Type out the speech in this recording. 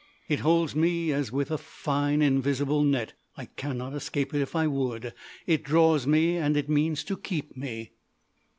It holds me as with a fine, invisible net. I cannot escape if I would. It draws me, and it means to keep me.